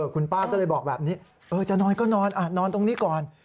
คุณป้าก็เลยบอกแบบนี้จะนอนก็นอนนอนตรงนี้ก่อน